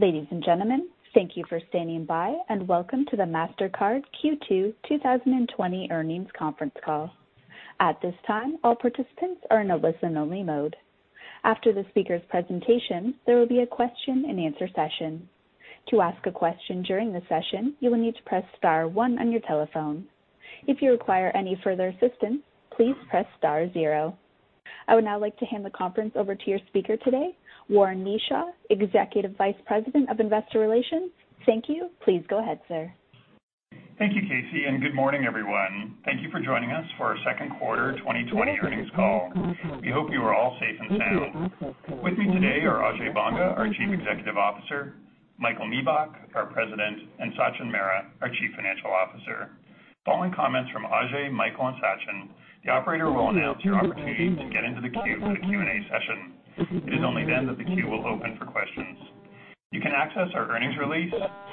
Ladies and gentlemen, thank you for standing by and welcome to the Mastercard Q2 2020 earnings conference call. At this time, all participants are in a listen-only mode. After the speaker's presentation, there will be a question-and-answer session. To ask a question during the session, you will need to press star one on your telephone. If you require any further assistance, please press star zero. I would now like to hand the conference over to your speaker today, Warren Kneeshaw, Executive Vice President of Investor Relations. Thank you. Please go ahead, sir. Thank you, Casey, and good morning, everyone. Thank you for joining us for our second quarter 2020 earnings call. We hope you are all safe and sound. With me today are Ajay Banga, our Chief Executive Officer, Michael Miebach, our President, and Sachin Mehra, our Chief Financial Officer. Following comments from Ajay, Michael, and Sachin, the operator will announce your opportunity to get into the queue for the Q&A session. It is only then that the queue will open for questions. You can access our earnings release,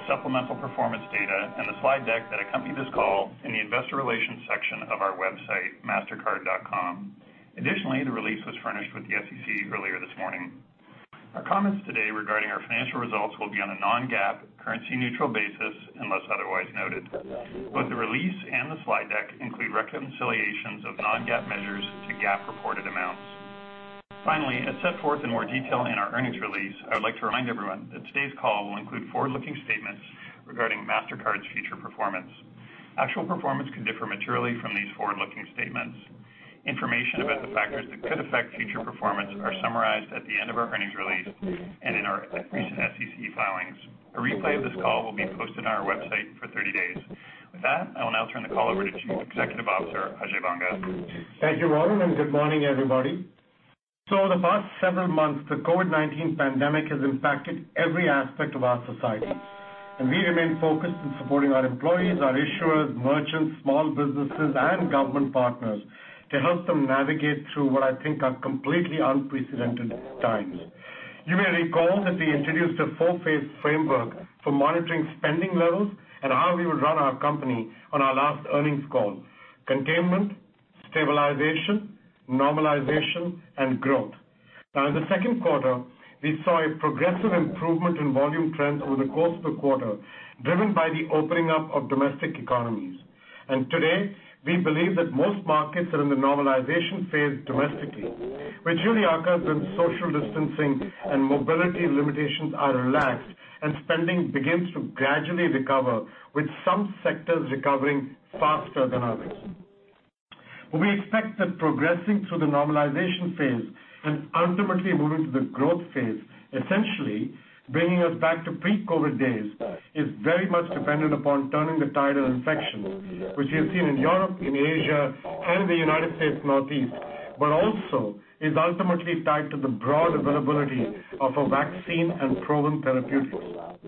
supplemental performance data, and the slide deck that accompany this call in the investor relations section of our website, mastercard.com. Additionally, the release was furnished with the SEC earlier this morning. Our comments today regarding our financial results will be on a non-GAAP, currency-neutral basis unless otherwise noted. Both the release and the slide deck include reconciliations of non-GAAP measures to GAAP-reported amounts. Finally, as set forth in more detail in our earnings release, I would like to remind everyone that today's call will include forward-looking statements regarding Mastercard's future performance. Actual performance can differ materially from these forward-looking statements. Information about the factors that could affect future performance are summarized at the end of our earnings release and in our recent SEC filings. A replay of this call will be posted on our website for 30 days. With that, I will now turn the call over to Chief Executive Officer, Ajay Banga. Thank you, Warren, and good morning, everybody. Over the past several months, the COVID-19 pandemic has impacted every aspect of our society, and we remain focused on supporting our employees, our issuers, merchants, small businesses, and government partners to help them navigate through what I think are completely unprecedented times. You may recall that we introduced a 4-phase framework for monitoring spending levels and how we would run our company on our last earnings call: containment, stabilization, normalization, and growth. In the second quarter, we saw a progressive improvement in volume trends over the course of the quarter, driven by the opening up of domestic economies. Today, we believe that most markets are in the normalization phase domestically, which usually occurs when social distancing and mobility limitations are relaxed and spending begins to gradually recover, with some sectors recovering faster than others. We expect that progressing through the normalization phase and ultimately moving to the growth phase, essentially bringing us back to pre-COVID-19 days, is very much dependent upon turning the tide of infection, which we have seen in Europe, in Asia, and in the U.S. Northeast, but also is ultimately tied to the broad availability of a vaccine and proven therapeutics.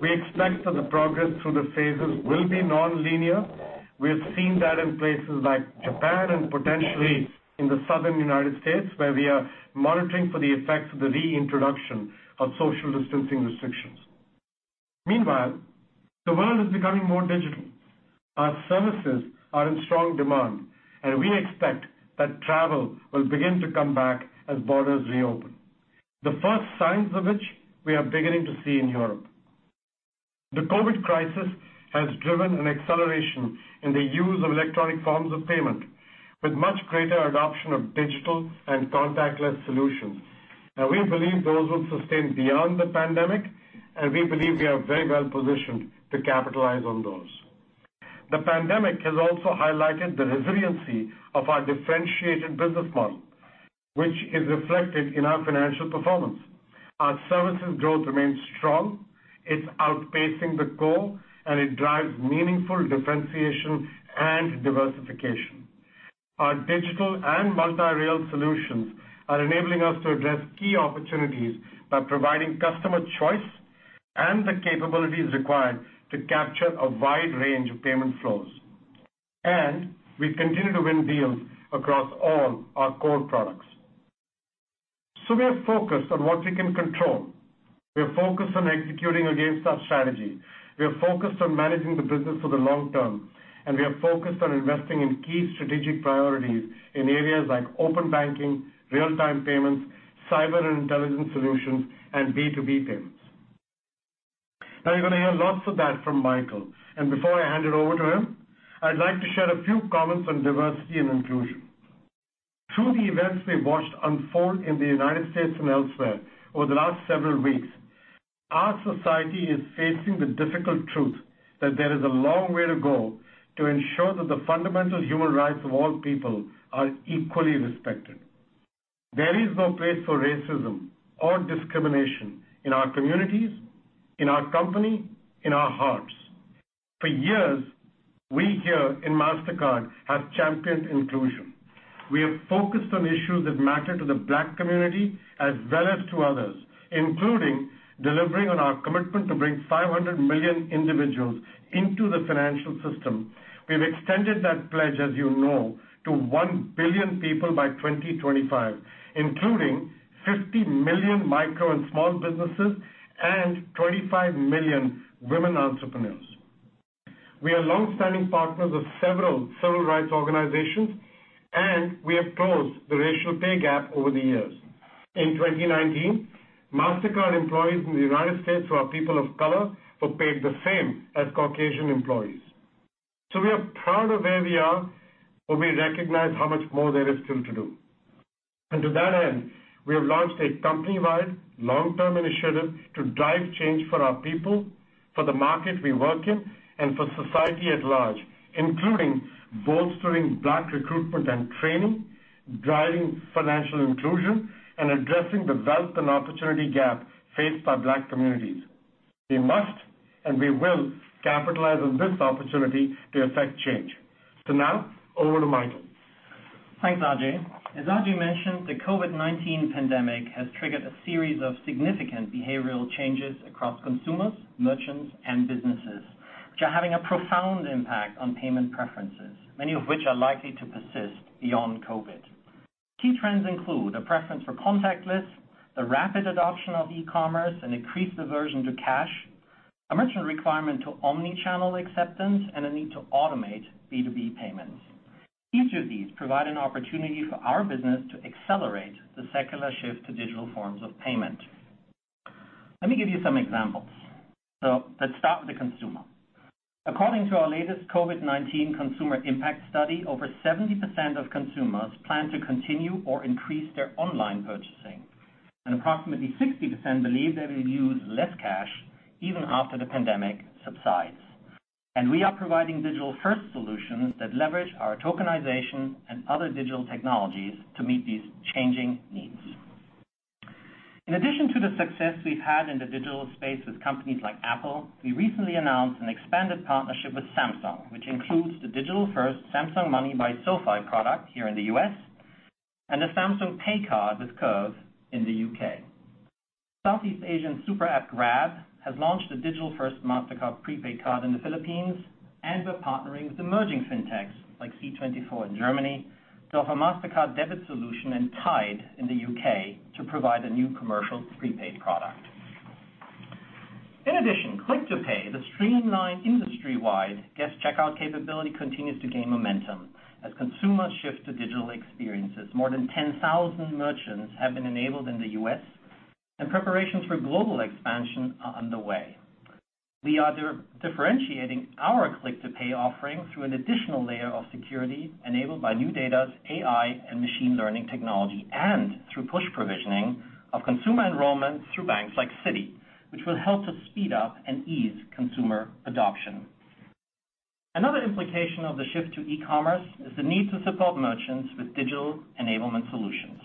We expect that the progress through the phases will be nonlinear. We have seen that in places like Japan and potentially in the Southern U.S., where we are monitoring for the effects of the reintroduction of social distancing restrictions. Meanwhile, the world is becoming more digital. Our services are in strong demand, and we expect that travel will begin to come back as borders reopen. The first signs of which we are beginning to see in Europe. The COVID crisis has driven an acceleration in the use of electronic forms of payment, with much greater adoption of digital and contactless solutions, and we believe those will sustain beyond the pandemic, and we believe we are very well positioned to capitalize on those. The pandemic has also highlighted the resiliency of our differentiated business model, which is reflected in our financial performance. Our services growth remains strong. It's outpacing the core, and it drives meaningful differentiation and diversification. Our digital and multi-rail solutions are enabling us to address key opportunities by providing customer choice and the capabilities required to capture a wide range of payment flows. We continue to win deals across all our core products. We are focused on what we can control. We are focused on executing against our strategy. We are focused on managing the business for the long term, and we are focused on investing in key strategic priorities in areas like open banking, real-time payments, Cyber & Intelligence solutions, and B2B payments. Now, you're going to hear lots of that from Michael, and before I hand it over to him, I'd like to share a few comments on diversity and inclusion. Through the events we've watched unfold in the United States and elsewhere over the last several weeks, our society is facing the difficult truth that there is a long way to go to ensure that the fundamental human rights of all people are equally respected. There is no place for racism or discrimination in our communities, in our company, in our hearts. For years, we here in Mastercard have championed inclusion. We have focused on issues that matter to the Black community as well as to others, including delivering on our commitment to bring 500 million individuals into the financial system. We've extended that pledge, as you know, to 1 billion people by 2025, including 50 million micro and small businesses and 25 million women entrepreneurs. We are longstanding partners of several civil rights organizations, and we have closed the racial pay gap over the years. In 2019, Mastercard employees in the United States who are people of color were paid the same as Caucasian employees. We are proud of where we are, but we recognize how much more there is still to do. To that end, we have launched a company-wide long-term initiative to drive change for our people, for the market we work in, and for society at large, including bolstering Black recruitment and training, driving financial inclusion, and addressing the wealth and opportunity gap faced by Black communities. We must and we will capitalize on this opportunity to effect change. Now, over to Michael. Thanks, Ajay. As Ajay mentioned, the COVID-19 pandemic has triggered a series of significant behavioral changes across consumers, merchants, and businesses, which are having a profound impact on payment preferences, many of which are likely to persist beyond COVID. Key trends include a preference for contactless, the rapid adoption of e-commerce, an increased aversion to cash, a merchant requirement to omni-channel acceptance, and a need to automate B2B payments. Each of these provide an opportunity for our business to accelerate the secular shift to digital forms of payment. Let me give you some examples. Let's start with the consumer. According to our latest COVID-19 consumer impact study, over 70% of consumers plan to continue or increase their online purchasing. Approximately 60% believe they will use less cash even after the pandemic subsides. We are providing digital-first solutions that leverage our tokenization and other digital technologies to meet these changing needs. In addition to the success we've had in the digital space with companies like Apple, we recently announced an expanded partnership with Samsung, which includes the digital-first Samsung Money by SoFi product here in the U.S., and the Samsung Pay Card with Curve in the U.K. Southeast Asian super app Grab has launched a digital-first Mastercard prepaid card in the Philippines. We're partnering with emerging fintechs like C24 in Germany to offer Mastercard debit solution and Tide in the U.K. to provide a new commercial prepaid product. In addition, Click to Pay, the streamlined industry-wide guest checkout capability continues to gain momentum as consumers shift to digital experiences. More than 10,000 merchants have been enabled in the U.S., and preparations for global expansion are underway. We are differentiating our Click to Pay offering through an additional layer of security enabled by NuData's AI and machine learning technology, and through push provisioning of consumer enrollment through banks like Citi, which will help to speed up and ease consumer adoption. Another implication of the shift to e-commerce is the need to support merchants with digital enablement solutions.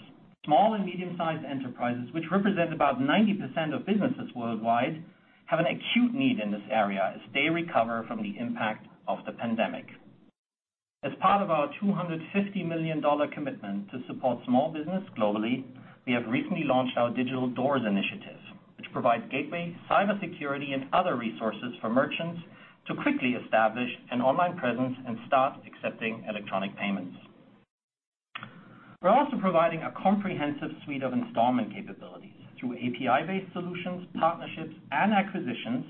Small and medium-sized enterprises, which represent about 90% of businesses worldwide, have an acute need in this area as they recover from the impact of the pandemic. As part of our $250 million commitment to support small business globally, we have recently launched our Digital Doors initiative, which provides gateway, cybersecurity, and other resources for merchants to quickly establish an online presence and start accepting electronic payments. We're also providing a comprehensive suite of API-based installment capabilities through solutions, partnerships, and acquisitions,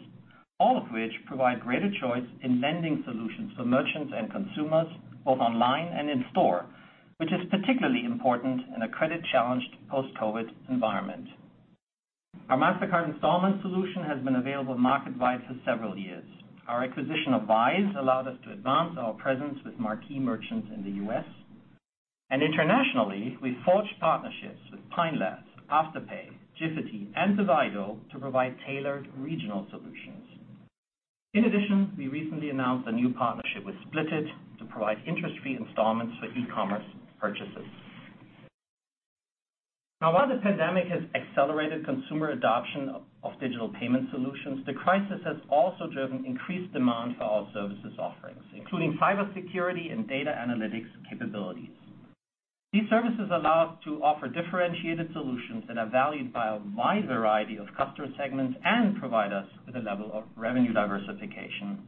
all of which provide greater choice in lending solutions for merchants and consumers both online and in store, which is particularly important in a credit-challenged post-COVID environment. Our Mastercard installment solution has been available market-wide for several years. Our acquisition of Vyze allowed us to advance our presence with marquee merchants in the U.S. Internationally, we forged partnerships with Pine Labs, Afterpay, Jifiti and Savedo to provide tailored regional solutions. In addition, we recently announced a new partnership with Splitit to provide interest-free installments for e-commerce purchases. Now, while the pandemic has accelerated consumer adoption of digital payment solutions, the crisis has also driven increased demand for our services offerings, including cybersecurity and data analytics capabilities. These services allow us to offer differentiated solutions that are valued by a wide variety of customer segments and provide us with a level of revenue diversification.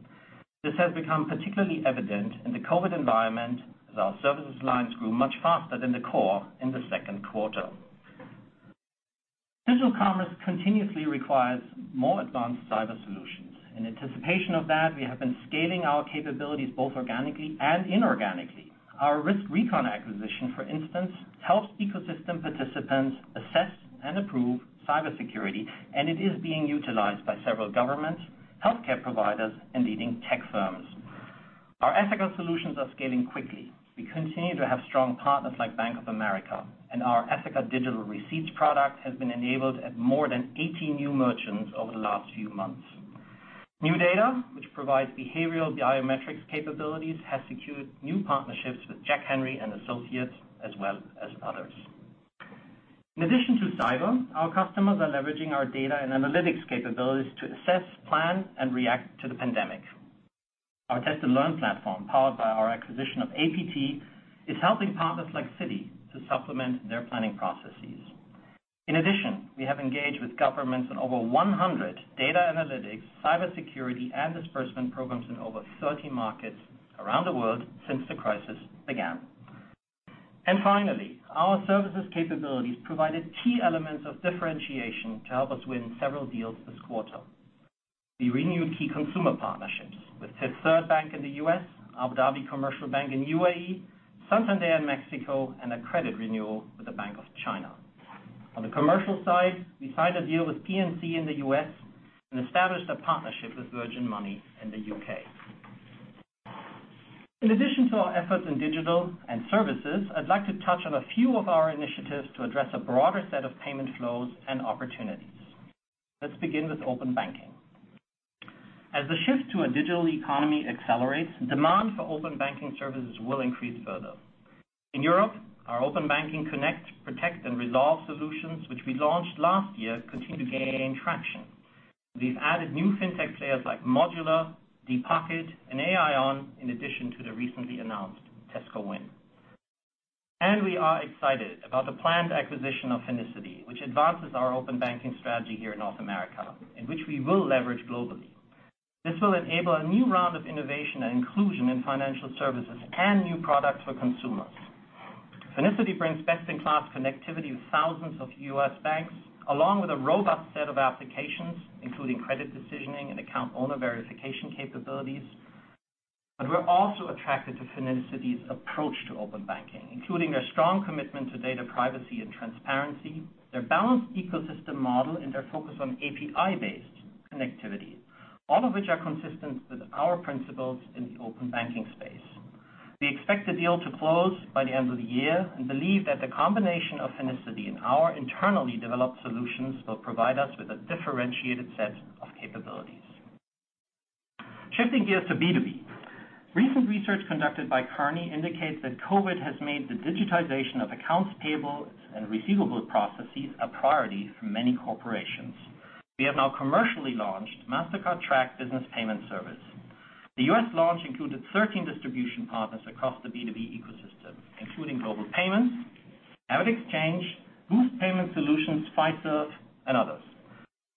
This has become particularly evident in the COVID environment, as our services lines grew much faster than the core in the second quarter. digital commerce continuously requires more advanced cyber solutions. In anticipation of that, we have been scaling our capabilities both organically and inorganically. Our RiskRecon acquisition, for instance, helps ecosystem participants assess and approve cybersecurity, and it is being utilized by several governments, healthcare providers, and leading tech firms. Our Ethoca solutions are scaling quickly. We continue to have strong partners like Bank of America, and our Ethoca digital receipts product has been enabled at more than 80 new merchants over the last few months. NuData, which provides behavioral biometrics capabilities, has secured new partnerships with Jack Henry & Associates as well as others. In addition to cyber, our customers are leveraging our data and analytics capabilities to assess, plan, and react to the pandemic. Our Test & Learn platform, powered by our acquisition of APT, is helping partners like Citi to supplement their planning processes. In addition, we have engaged with governments in over 100 data analytics, cybersecurity, and disbursement programs in over 30 markets around the world since the crisis began. Finally, our services capabilities provided key elements of differentiation to help us win several deals this quarter. We renewed key consumer partnerships with Fifth Third Bank in the U.S., Abu Dhabi Commercial Bank in U.A.E., Santander in Mexico, and a credit renewal with the Bank of China. On the commercial side, we signed a deal with PNC in the U.S. and established a partnership with Virgin Money in the U.K. In addition to our efforts in digital and services, I'd like to touch on a few of our initiatives to address a broader set of payment flows and opportunities. Let's begin with open banking. As the shift to a digital economy accelerates, demand for open banking services will increase further. In Europe, our Open Banking Connect, Protect, and Resolve solutions, which we launched last year, continue to gain traction. We've added new fintech players like Modulr, DiPocket, and Aion, in addition to the recently announced Tesco Bank. We are excited about the planned acquisition of Finicity, which advances our open banking strategy here in North America, and which we will leverage globally. This will enable a new round of innovation and inclusion in financial services and new products for consumers. Finicity brings best-in-class connectivity with thousands of U.S. banks, along with a robust set of applications, including credit decisioning and account owner verification capabilities. We're also attracted to Finicity's approach to open banking, including their strong commitment to data privacy and transparency, their balanced ecosystem model, and their focus on API-based connectivity, all of which are consistent with our principles in the open banking space. We expect the deal to close by the end of the year and believe that the combination of Finicity and our internally developed solutions will provide us with a differentiated set of capabilities. Shifting gears to B2B. Recent research conducted by Kearney indicates that COVID has made the digitization of accounts payable and receivable processes a priority for many corporations. We have now commercially launched Mastercard Track Business Payment Service. The U.S. launch included 13 distribution partners across the B2B ecosystem, including Global Payments, AvidXchange, Boost Payment Solutions, Fiserv, and others.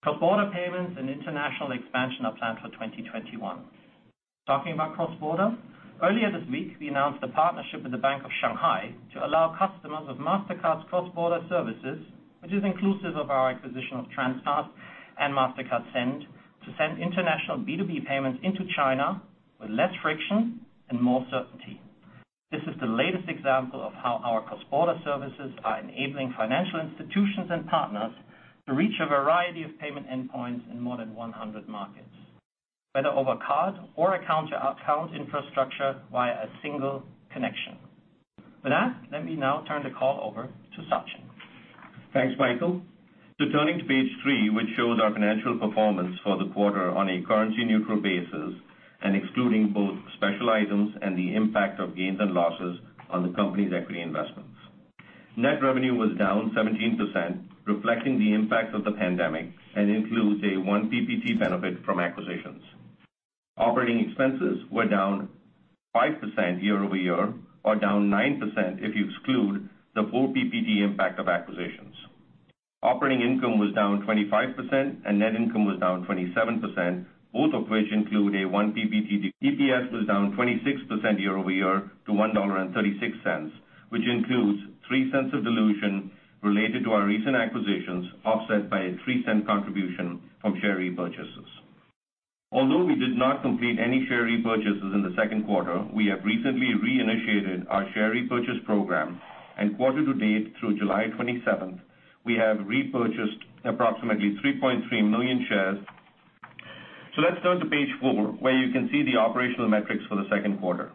Cross-border payments and international expansion are planned for 2021. Talking about cross-border, earlier this week, we announced a partnership with the Bank of Shanghai to allow customers of Mastercard's cross-border services, which is inclusive of our acquisition of Transfast and Mastercard Send, to send international B2B payments into China with less friction and more certainty. This is the latest example of how our cross-border services are enabling financial institutions and partners to reach a variety of payment endpoints in more than 100 markets, whether over card or account-to-account infrastructure via a single connection. With that, let me now turn the call over to Sachin. Thanks, Michael. Turning to page three, which shows our financial performance for the quarter on a currency-neutral basis and excluding both special items and the impact of gains and losses on the company's equity investments. Net revenue was down 17%, reflecting the impact of the pandemic, and includes a one PPT benefit from acquisitions. Operating expenses were down 5% year-over-year, or down 9% if you exclude the full PPT impact of acquisitions. Operating income was down 25% and net income was down 27%, both of which include a one PPT. EPS was down 26% year-over-year to $1.36, which includes $0.03 of dilution related to our recent acquisitions, offset by a $0.03 contribution from share repurchases. Although we did not complete any share repurchases in the second quarter, we have recently reinitiated our share repurchase program, and quarter-to-date, through July 27th, we have repurchased approximately 3.3 million shares. Let's turn to page four, where you can see the operational metrics for the second quarter.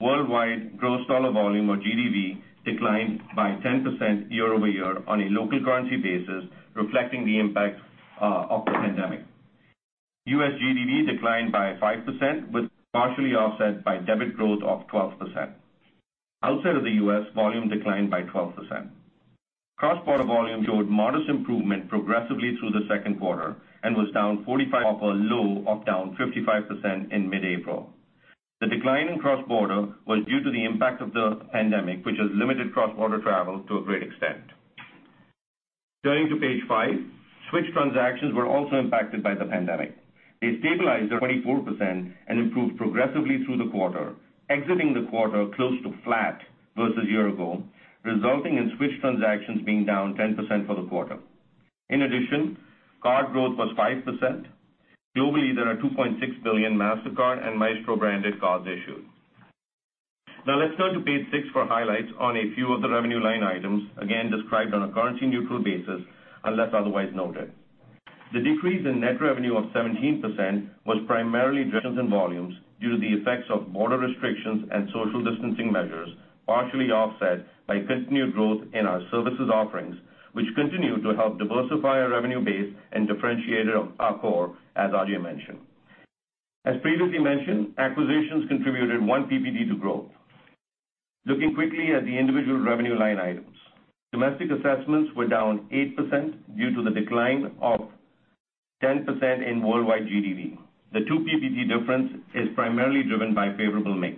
Worldwide gross dollar volume or GDV declined by 10% year-over-year on a local currency basis, reflecting the impact of the pandemic. U.S. GDV declined by 5%, but partially offset by debit growth of 12%. Outside of the U.S., volume declined by 12%. Cross-border volume showed modest improvement progressively through the second quarter and was down 45% or low of down 55% in mid-April. The decline in cross-border was due to the impact of the pandemic, which has limited cross-border travel to a great extent. Turning to page five, switch transactions were also impacted by the pandemic. They stabilized at 24% and improved progressively through the quarter, exiting the quarter close to flat versus a year ago, resulting in switch transactions being down 10% for the quarter. In addition, card growth was 5%. Globally, there are 2.6 billion Mastercard and Maestro-branded cards issued. Now let's turn to page six for highlights on a few of the revenue line items, again described on a currency-neutral basis unless otherwise noted. The decrease in net revenue of 17% was primarily driven by transactions and volumes due to the effects of border restrictions and social distancing measures, partially offset by continued growth in our services offerings, which continue to help diversify our revenue base and differentiate our core, as Ajay mentioned. As previously mentioned, acquisitions contributed one PPT to growth. Looking quickly at the individual revenue line items. Domestic assessments were down 8% due to the decline of 10% in worldwide GDV. The two PPT difference is primarily driven by favorable mix.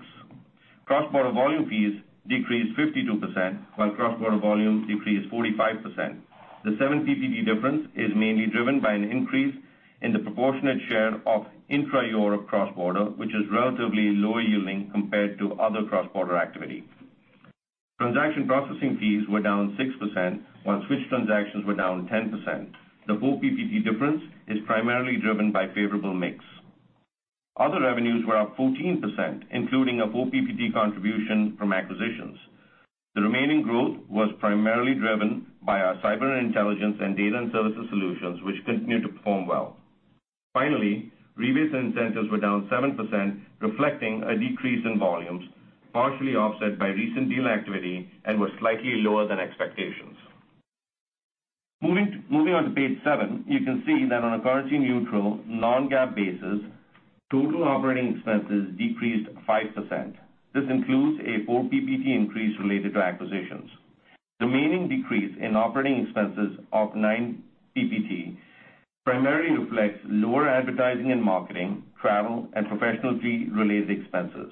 Cross-border volume fees decreased 52%, while cross-border volume decreased 45%. The seven PPT difference is mainly driven by an increase in the proportionate share of intra Europe cross-border, which is relatively lower yielding compared to other cross-border activity. Transaction processing fees were down 6%, while switch transactions were down 10%. The full PPT difference is primarily driven by favorable mix. Other revenues were up 14%, including a full PPT contribution from acquisitions. The remaining growth was primarily driven by our cyber intelligence and data and services solutions, which continue to perform well. Finally, rebates and incentives were down 7%, reflecting a decrease in volumes, partially offset by recent deal activity and were slightly lower than expectations. Moving on to page seven, you can see that on a currency neutral, non-GAAP basis, total operating expenses decreased 5%. This includes a full PPT increase related to acquisitions. The remaining decrease in operating expenses of nine PPT primarily reflects lower advertising and marketing, travel, and professional fee-related expenses.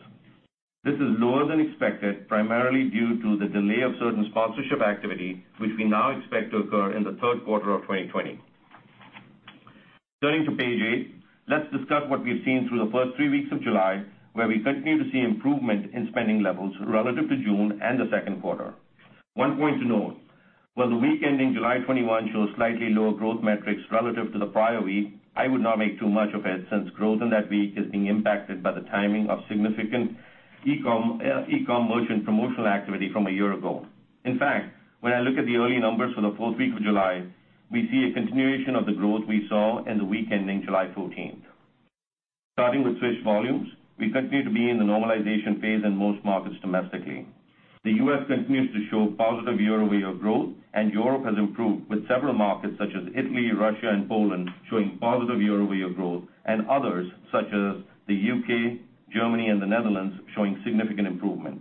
This is lower than expected, primarily due to the delay of certain sponsorship activity, which we now expect to occur in the third quarter of 2020. Turning to page eight, let's discuss what we've seen through the first three weeks of July, where we continue to see improvement in spending levels relative to June and the second quarter. One point to note, while the week ending July 21 shows slightly lower growth metrics relative to the prior week, I would not make too much of it, since growth in that week is being impacted by the timing of significant e-commerce merchant promotional activity from a year ago. In fact, when I look at the early numbers for the fourth week of July, we see a continuation of the growth we saw in the week ending July 14th. Starting with switch volumes, we continue to be in the normalization phase in most markets domestically. The U.S. continues to show positive year-over-year growth, and Europe has improved with several markets such as Italy, Russia, and Poland showing positive year-over-year growth, and others such as the U.K., Germany, and the Netherlands showing significant improvement.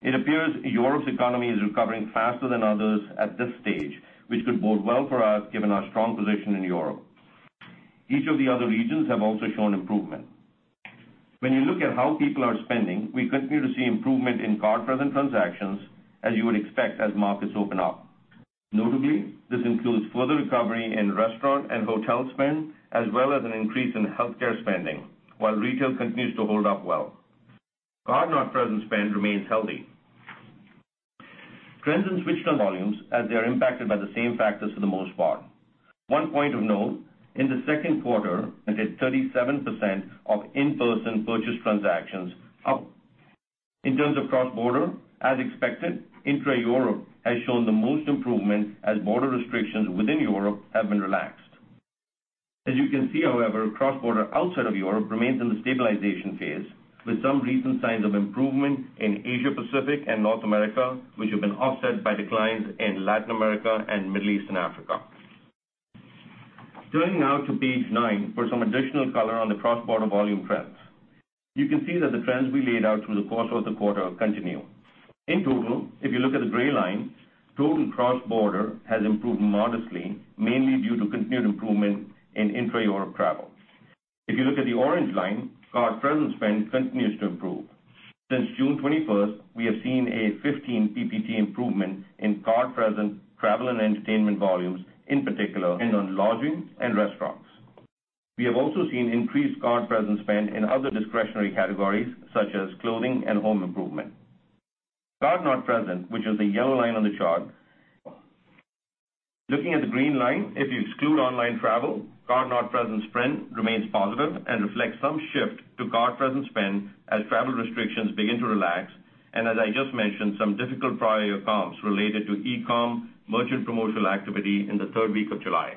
It appears Europe's economy is recovering faster than others at this stage, which could bode well for us given our strong position in Europe. Each of the other regions have also shown improvement. When you look at how people are spending, we continue to see improvement in card-present transactions as you would expect as markets open up. Notably, this includes further recovery in restaurant and hotel spend, as well as an increase in healthcare spending, while retail continues to hold up well. Card-not-present spend remains healthy. Trends in switch volumes as they are impacted by the same factors for the most part. One point of note, in the second quarter, I said 37% of in-person purchase transactions up. In terms of cross-border, as expected, intra-Europe has shown the most improvement as border restrictions within Europe have been relaxed. As you can see, cross-border outside of Europe remains in the stabilization phase, with some recent signs of improvement in Asia-Pacific and North America, which have been offset by declines in Latin America and Middle East and Africa. Turning now to page nine for some additional color on the cross-border volume trends. You can see that the trends we laid out through the course of the quarter continue. In total, if you look at the gray line, total cross-border has improved modestly, mainly due to continued improvement in intra-Europe travel. If you look at the orange line, card-present spend continues to improve. Since June 21st, we have seen a 15 PPT improvement in card-present travel and entertainment volumes, in particular in on lodging and restaurants. We have also seen increased card-present spend in other discretionary categories, such as clothing and home improvement. Card-not-present, which is the yellow line on the chart. Looking at the green line, if you exclude online travel, Card-not-present spend remains positive and reflects some shift to Card-present spend as travel restrictions begin to relax, and as I just mentioned, some difficult prior year comps related to e-com merchant promotional activity in the third week of July.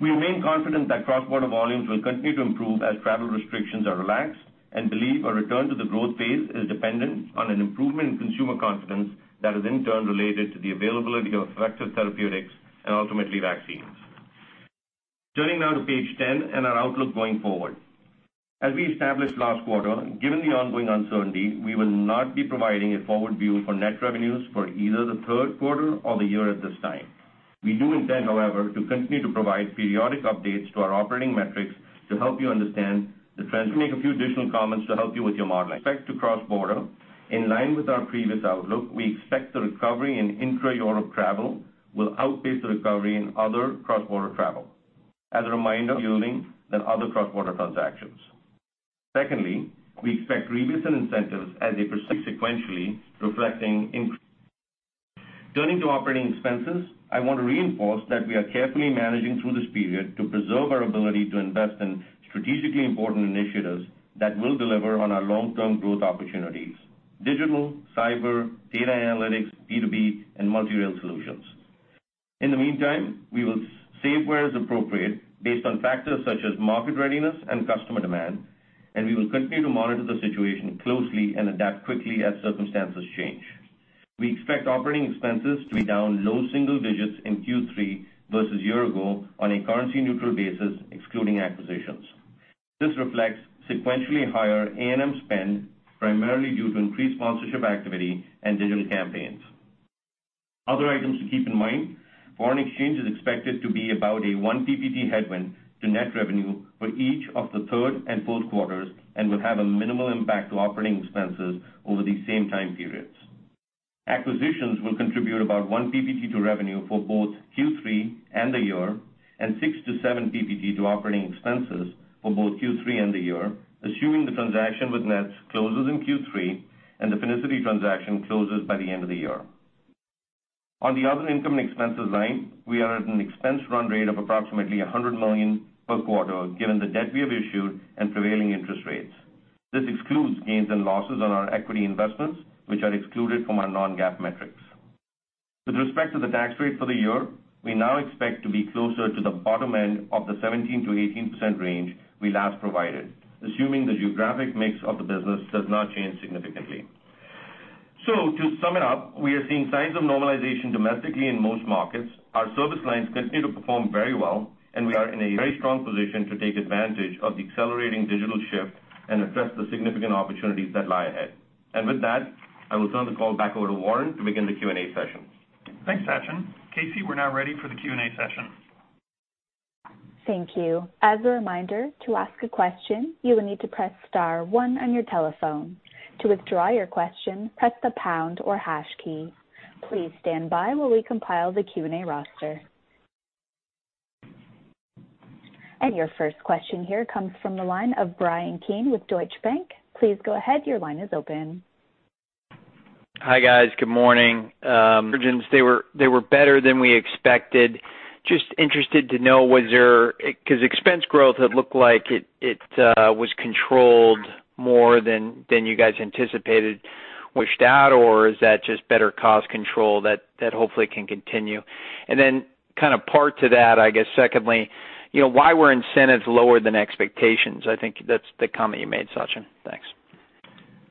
We remain confident that cross-border volumes will continue to improve as travel restrictions are relaxed and believe a return to the growth phase is dependent on an improvement in consumer confidence that is in turn related to the availability of effective therapeutics and ultimately, vaccines. Turning now to page 10 and our outlook going forward. As we established last quarter, given the ongoing uncertainty, we will not be providing a forward view for net revenues for either the third quarter or the year at this time. We do intend, however, to continue to provide periodic updates to our operating metrics to help you understand the trends. Let me make a few additional comments to help you with your modeling. With respect to cross-border, in line with our previous outlook, we expect the recovery in intra-Europe travel will outpace the recovery in other cross-border travel. As a reminder, yielding than other cross-border transactions. Secondly, we expect rebates and incentives as they proceed sequentially, reflecting increase. Turning to operating expenses, I want to reinforce that we are carefully managing through this period to preserve our ability to invest in strategically important initiatives that will deliver on our long-term growth opportunities: digital, cyber, data analytics, B2B, and multi-rail solutions. In the meantime, we will save where is appropriate based on factors such as market readiness and customer demand, and we will continue to monitor the situation closely and adapt quickly as circumstances change. We expect operating expenses to be down low single digits in Q3 versus year-ago on a currency neutral basis, excluding acquisitions. This reflects sequentially higher A&M spend, primarily due to increased sponsorship activity and digital campaigns. Other items to keep in mind, foreign exchange is expected to be about a 1 PPT headwind to net revenue for each of the third and fourth quarters and will have a minimal impact to operating expenses over these same time periods. Acquisitions will contribute about 1 PPT to revenue for both Q3 and the year, and 6-7 PPT to operating expenses for both Q3 and the year, assuming the transaction with Nets closes in Q3 and the Finicity transaction closes by the end of the year. On the other income and expenses line, we are at an expense run rate of approximately $100 million per quarter, given the debt we have issued and prevailing interest rates. This excludes gains and losses on our equity investments, which are excluded from our non-GAAP metrics. With respect to the tax rate for the year, we now expect to be closer to the bottom end of the 17%-18% range we last provided, assuming the geographic mix of the business does not change significantly. To sum it up, we are seeing signs of normalization domestically in most markets. Our service lines continue to perform very well, we are in a very strong position to take advantage of the accelerating digital shift and address the significant opportunities that lie ahead. With that, I will turn the call back over to Warren to begin the Q&A session. Thanks, Sachin. Casey, we're now ready for the Q&A session. Thank you. As a reminder, to ask a question, you will need to press star one on your telephone. To withdraw your question, press the pound or hash key. Please stand by while we compile the Q&A roster. Your first question here comes from the line of Bryan Keane with Deutsche Bank. Please go ahead. Your line is open. Hi, guys. Good morning. Margins, they were better than we expected. Just interested to know, because expense growth had looked like it was controlled more than you guys anticipated. Washed out, or is that just better cost control that hopefully can continue? Kind of part to that, I guess secondly, why were incentives lower than expectations? I think that's the comment you made, Sachin. Thanks.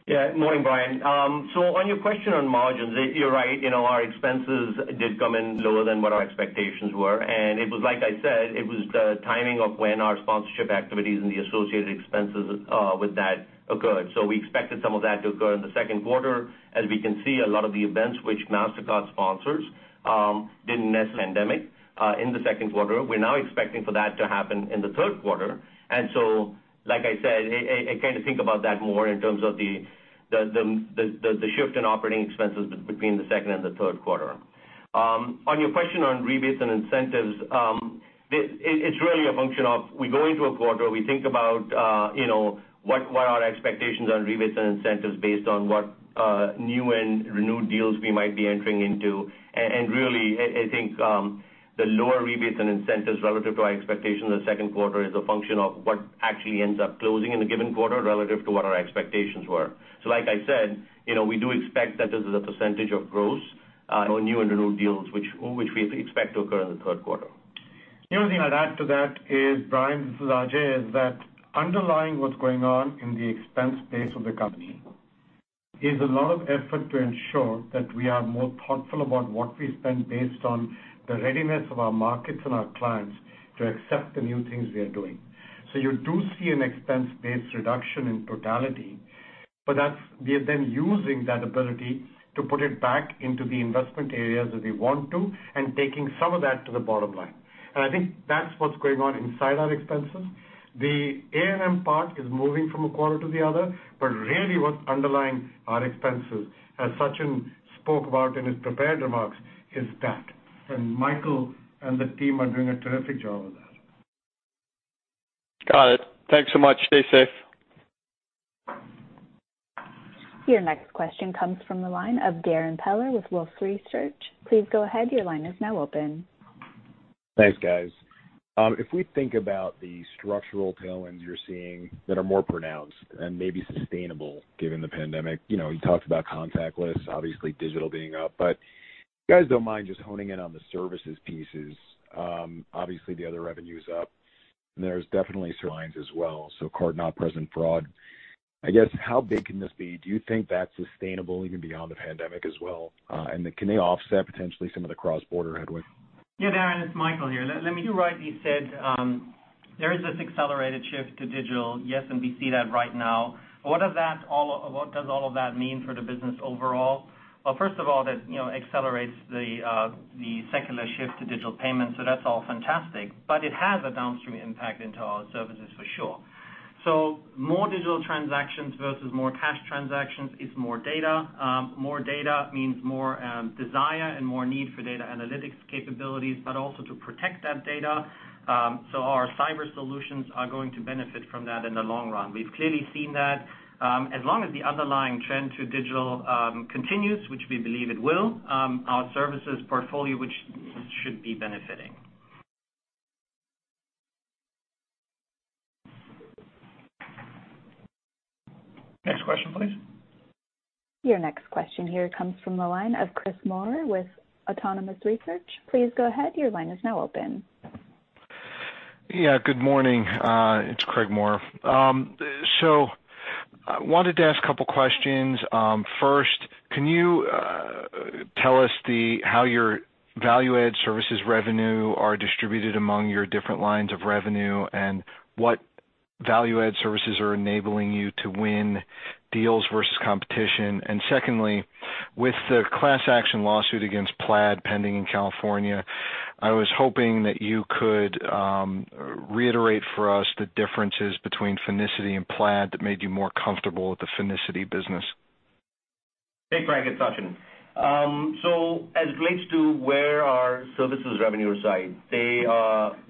Yeah. Morning, Bryan. On your question on margins, you're right. Our expenses did come in lower than what our expectations were, and it was like I said, it was the timing of when our sponsorship activities and the associated expenses with that occurred. We expected some of that to occur in the second quarter. As we can see, a lot of the events which Mastercard sponsors didn't necessarily end in the second quarter. We're now expecting for that to happen in the third quarter. Like I said, kind of think about that more in terms of the shift in operating expenses between the second and the third quarter. On your question on rebates and incentives, it's really a function of we go into a quarter, we think about what are our expectations on rebates and incentives based on what new and renewed deals we might be entering into. Really, I think the lower rebates and incentives relative to our expectations in the second quarter is a function of what actually ends up closing in a given quarter relative to what our expectations were. Like I said, we do expect that this is a percentage of gross on new and renewed deals, which we expect to occur in the third quarter. The only thing I'd add to that is, Bryan, this is Ajay, is that underlying what's going on in the expense base of the company is a lot of effort to ensure that we are more thoughtful about what we spend based on the readiness of our markets and our clients to accept the new things we are doing. You do see an expense base reduction in totality, but we are then using that ability to put it back into the investment areas that we want to and taking some of that to the bottom line. I think that's what's going on inside our expenses. The A&M part is moving from a quarter to the other, but really what's underlying our expenses, as Sachin spoke about in his prepared remarks, is that. Michael and the team are doing a terrific job of that. Got it. Thanks so much. Stay safe. Your next question comes from the line of Darrin Peller with Wolfe Research. Please go ahead. Your line is now open. Thanks, guys. If we think about the structural tailwinds you're seeing that are more pronounced and maybe sustainable given the pandemic, you talked about contactless, obviously digital being up, but if you guys don't mind just honing in on the services pieces. Obviously, the other revenue's up, and there's definitely some lines as well, so card not present fraud. I guess, how big can this be? Do you think that's sustainable even beyond the pandemic as well? Can they offset potentially some of the cross-border headway? Yeah, Darrin, it's Michael here. You rightly said there is this accelerated shift to digital, yes, and we see that right now. What does all of that mean for the business overall? Well, first of all, that accelerates the secular shift to digital payments, so that's all fantastic, but it has a downstream impact into our services for sure. More digital transactions versus more cash transactions is more data. More data means more desire and more need for data analytics capabilities, but also to protect that data. Our cyber solutions are going to benefit from that in the long run. We've clearly seen that. As long as the underlying trend to digital continues, which we believe it will, our services portfolio, which should be benefiting. Next question, please. Your next question here comes from the line of Chris Moore with Autonomous Research. Please go ahead. Your line is now open. Good morning. It's Craig Moore. I wanted to ask a couple questions. First, can you tell us how your value-add services revenue are distributed among your different lines of revenue, and what value-add services are enabling you to win deals versus competition? Secondly, with the class action lawsuit against Plaid pending in California, I was hoping that you could reiterate for us the differences between Finicity and Plaid that made you more comfortable with the Finicity business. Hey, Frank, it's Sachin. As it relates to where our services revenue reside, they,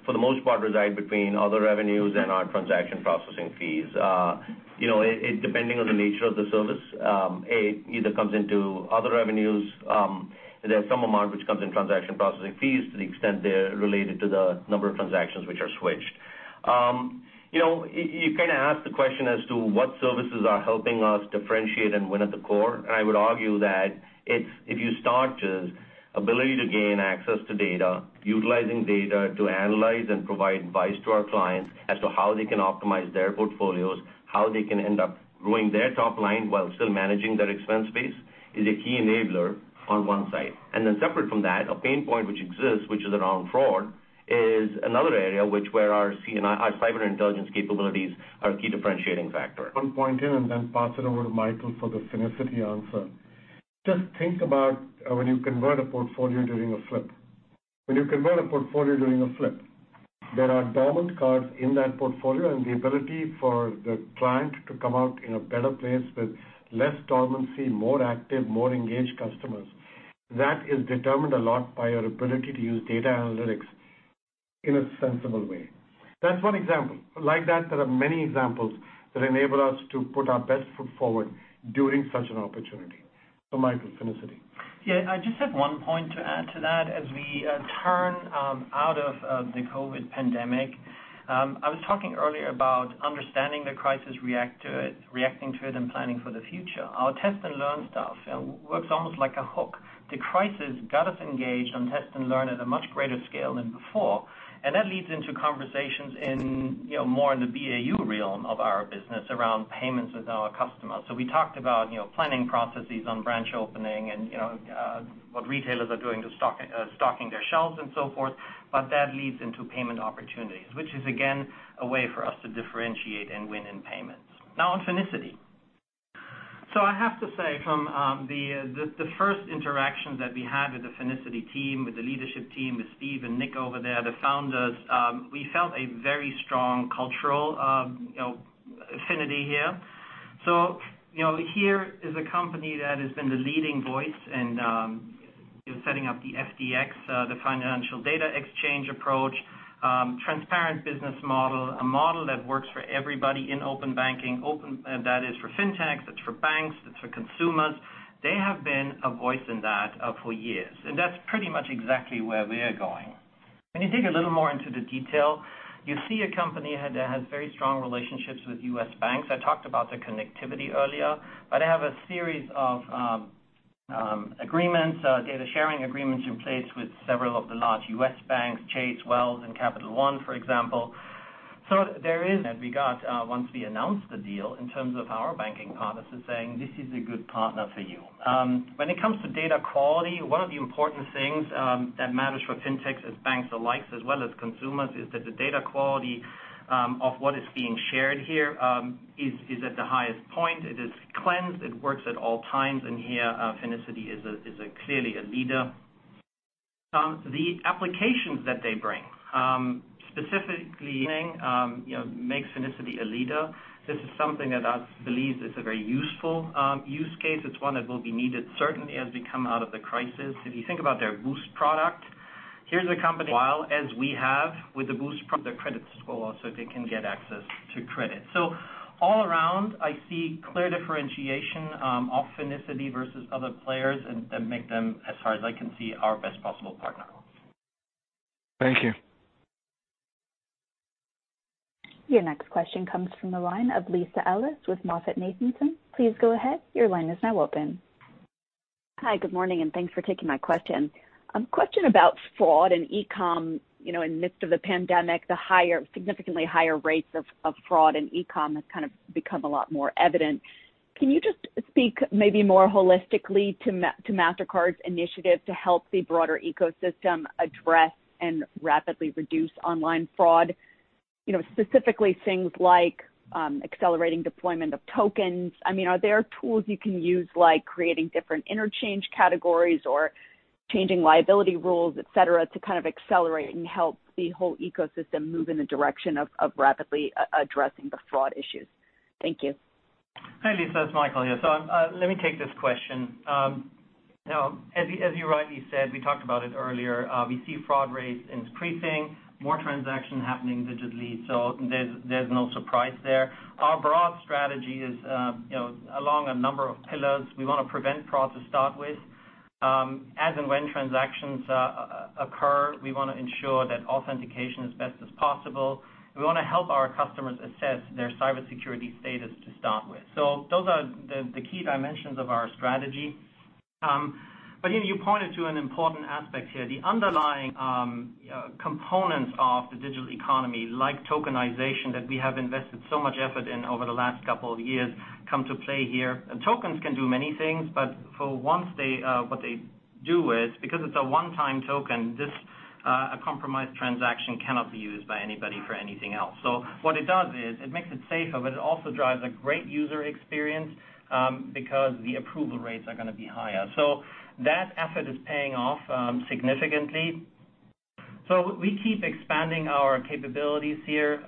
for the most part, reside between other revenues and our transaction processing fees. Depending on the nature of the service, either comes into other revenues. There's some amount which comes in transaction processing fees to the extent they're related to the number of transactions which are switched. You kind of asked the question as to what services are helping us differentiate and win at the core. I would argue that if you start with ability to gain access to data, utilizing data to analyze and provide advice to our clients as to how they can optimize their portfolios, how they can end up growing their top line while still managing their expense base is a key enabler on one side. Separate from that, a pain point which exists, which is around fraud, is another area which where our C&I, our Cyber & Intelligence capabilities are a key differentiating factor. One point in, then pass it over to Michael for the Finicity answer. Just think about when you convert a portfolio during a flip. When you convert a portfolio during a flip, there are dormant cards in that portfolio, the ability for the client to come out in a better place with less dormancy, more active, more engaged customers, that is determined a lot by our ability to use data analytics in a sensible way. That's one example. Like that, there are many examples that enable us to put our best foot forward during such an opportunity. Michael, Finicity. Yeah. I just have one point to add to that. As we turn out of the COVID-19 pandemic, I was talking earlier about understanding the crisis, reacting to it, and planning for the future. Our Test & Learn stuff works almost like a hook. The crisis got us engaged on Test & Learn at a much greater scale than before, and that leads into conversations in more in the BAU realm of our business around payments with our customers. We talked about planning processes on branch opening and what retailers are doing to stocking their shelves and so forth, but that leads into payment opportunities, which is, again, a way for us to differentiate and win in payments. Now on Finicity. I have to say, from the first interactions that we had with the Finicity team, with the leadership team, with Steve and Nick over there, the founders, we felt a very strong cultural affinity here. Here is a company that has been the leading voice in setting up the FDX, the Financial Data Exchange approach, transparent business model, a model that works for everybody in open banking. That is for fintechs, that's for banks, that's for consumers. They have been a voice in that for years, and that's pretty much exactly where we're going. When you dig a little more into the detail, you see a company that has very strong relationships with U.S. banks. I talked about the connectivity earlier, but they have a series of agreements, data-sharing agreements in place with several of the large U.S. banks, Chase, Wells, and Capital One, for example. There is, in that regard, once we announced the deal in terms of our banking partners saying, "This is a good partner for you." When it comes to data quality, one of the important things that matters for fintechs is banks alike, as well as consumers, is that the data quality of what is being shared here is at the highest point. It is cleansed. It works at all times, and here, Finicity is clearly a leader. The applications that they bring specifically, you know, makes Finicity a leader. This is something that I believe is a very useful use case. It's one that will be needed certainly as we come out of the crisis. If you think about their Boost product, here's a company while as we have with the Boost product, their credit score so they can get access to credit. All around, I see clear differentiation of Finicity versus other players and make them, as far as I can see, our best possible partner. Thank you. Your next question comes from the line of Lisa Ellis with MoffettNathanson. Please go ahead. Your line is now open. Hi, good morning. Thanks for taking my question. Question about fraud and e-commerce. In the midst of the pandemic, the significantly higher rates of fraud and e-commerce has kind of become a lot more evident. Can you just speak maybe more holistically to Mastercard's initiative to help the broader ecosystem address and rapidly reduce online fraud? Specifically things like accelerating deployment of tokens. Are there tools you can use, like creating different interchange categories or changing liability rules, et cetera, to kind of accelerate and help the whole ecosystem move in the direction of rapidly addressing the fraud issues? Thank you. Hi, Lisa, it's Michael here. Let me take this question. As you rightly said, we talked about it earlier. We see fraud rates increasing, more transactions happening digitally. There's no surprise there. Our broad strategy is along a number of pillars. We want to prevent fraud to start with. As and when transactions occur, we want to ensure that authentication is best as possible. We want to help our customers assess their cybersecurity status to start with. Those are the key dimensions of our strategy. You pointed to an important aspect here. The underlying components of the digital economy, like tokenization, that we have invested so much effort in over the last couple of years, come to play here. Tokens can do many things, but for once, what they do is, because it's a one-time token, a compromised transaction cannot be used by anybody for anything else. What it does is it makes it safer, but it also drives a great user experience because the approval rates are going to be higher. That effort is paying off significantly. We keep expanding our capabilities here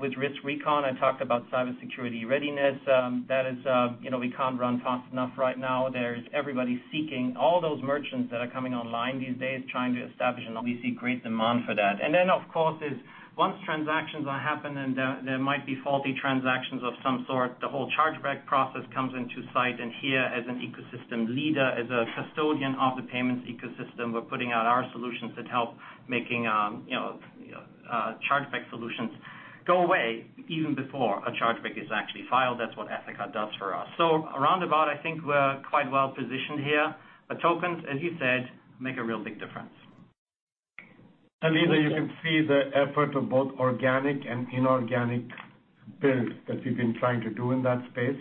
with RiskRecon. I talked about cybersecurity readiness. We can't run fast enough right now. There's everybody seeking all those merchants that are coming online these days trying to establish, and we see great demand for that. Of course, is once transactions are happening, there might be faulty transactions of some sort. The whole chargeback process comes into sight. Here, as an ecosystem leader, as a custodian of the payments ecosystem, we're putting out our solutions that help making chargeback solutions go away even before a chargeback is actually filed. That's what Ethoca does for us. Roundabout, I think we're quite well-positioned here, but tokens, as you said, make a real big difference. Lisa, you can see the effort of both organic and inorganic build that we've been trying to do in that space.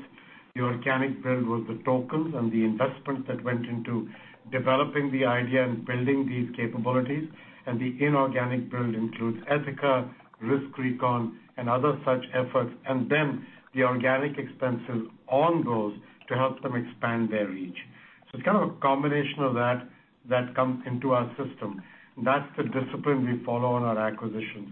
The organic build was the tokens and the investments that went into developing the idea and building these capabilities. The inorganic build includes Ethoca, RiskRecon, and other such efforts. The organic expenses on those to help them expand their reach. It's kind of a combination of that comes into our system. That's the discipline we follow on our acquisitions.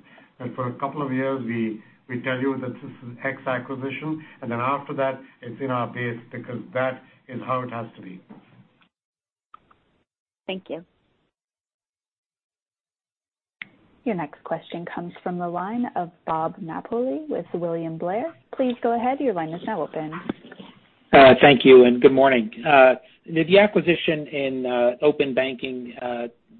For a couple of years, we tell you that this is X acquisition, and then after that, it's in our base because that is how it has to be. Thank you. Your next question comes from the line of Bob Napoli with William Blair. Please go ahead. Your line is now open. Thank you, and good morning. The acquisition in open banking,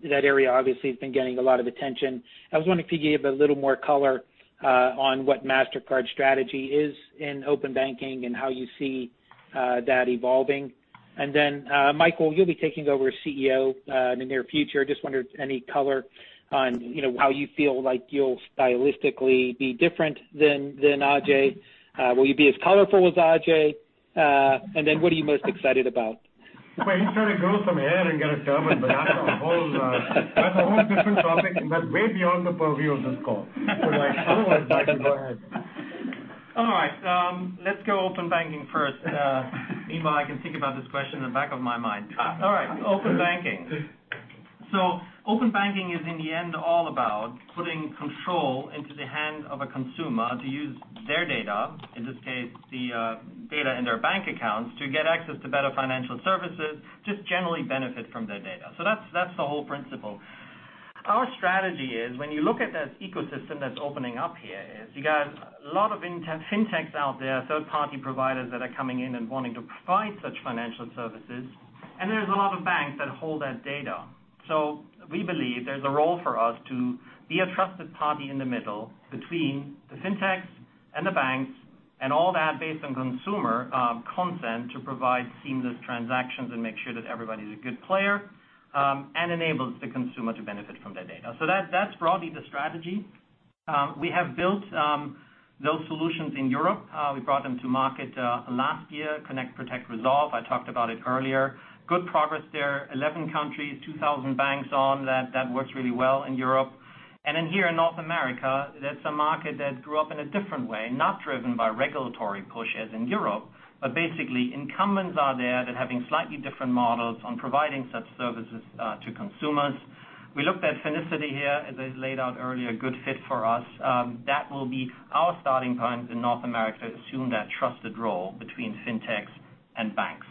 that area obviously has been getting a lot of attention. I was wondering if you could give a little more color on what Mastercard strategy is in open banking and how you see that evolving. Then, Michael, you'll be taking over as CEO in the near future. Just wondered any color on how you feel like you'll stylistically be different than Ajay. Will you be as colorful as Ajay? Then what are you most excited about? He's trying to grow some hair and get a turban, but that's a whole different topic and that's way beyond the purview of this call. I don't know if Michael can go ahead. All right. Let's go open banking first. Meanwhile, I can think about this question in the back of my mind. All right, open banking. Open banking is in the end all about putting control into the hands of a consumer to use their data, in this case, the data in their bank accounts, to get access to better financial services, just generally benefit from their data. That's the whole principle. Our strategy is when you look at that ecosystem that's opening up here is you got a lot of fintechs out there, third-party providers that are coming in and wanting to provide such financial services. There's a lot of banks that hold that data. We believe there's a role for us to be a trusted party in the middle between the fintechs and the banks, and all that based on consumer consent to provide seamless transactions and make sure that everybody's a good player, and enables the consumer to benefit from their data. That's broadly the strategy. We have built those solutions in Europe. We brought them to market last year, Connect, Protect, Resolve. I talked about it earlier. Good progress there. 11 countries, 2,000 banks on that. That works really well in Europe. Then here in North America, that's a market that grew up in a different way, not driven by regulatory push as in Europe, but basically incumbents are there that are having slightly different models on providing such services to consumers. We looked at Finicity here, as I laid out earlier, good fit for us. That will be our starting point in North America to assume that trusted role between fintechs and banks.